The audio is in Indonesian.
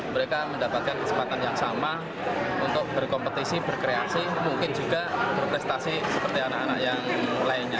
mereka mendapatkan kesempatan yang sama untuk berkompetisi berkreasi mungkin juga berprestasi seperti anak anak yang lainnya